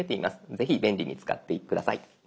ぜひ便利に使って下さい。